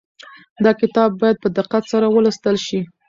دا کتاب باید په دقت سره ولوستل شي.